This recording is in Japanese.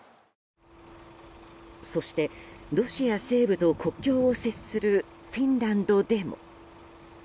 そしてロシア西部と国境を接するフィンランドでも。